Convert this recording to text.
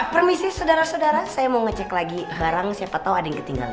permisi saudara saudara saya mau ngecek lagi barang siapa tahu ada yang ketinggalan